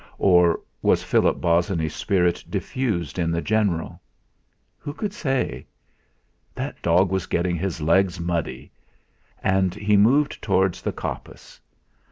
Or was Philip Bosinney's spirit diffused in the general? Who could say? That dog was getting his legs muddy! And he moved towards the coppice.